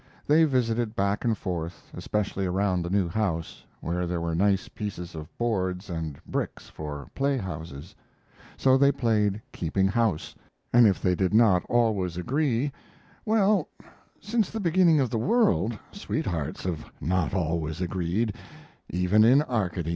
They visited back and forth, especially around the new house, where there were nice pieces of boards and bricks for play houses. So they played "keeping house," and if they did not always agree well, since the beginning of the world sweethearts have not always agreed, even in Arcady.